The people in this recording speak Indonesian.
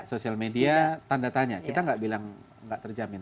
social media tanda tanya kita gak bilang gak terjamin